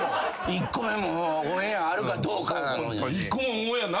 １個目もオンエアあるかどうかなのに。